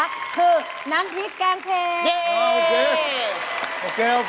คือน้ำพริกแกงเพลง